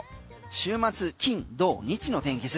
週末、金土日の天気図。